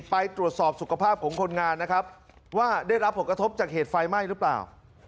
ไปตรวจสอบสุขภาพของคนงานนะครับว่าได้รับผลกระทบจากเหตุไฟไหม้หรือเปล่า